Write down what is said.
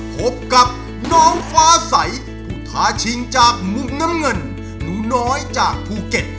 พบกับน้องฟ้าใสผู้ท้าชิงจากมุมน้ำเงินหนูน้อยจากภูเก็ต